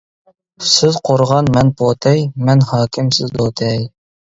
سىز قورغان مەن پوتەي، مەن ھاكىم سىز دوتەي.